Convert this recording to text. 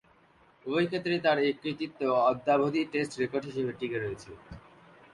উভয়ক্ষেত্রেই তার এ কৃতিত্ব অদ্যাবধি টেস্ট রেকর্ড হিসেবে টিকে রয়েছে।